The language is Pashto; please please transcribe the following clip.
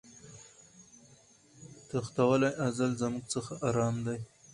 تښتولی ازل زموږ څخه آرام دی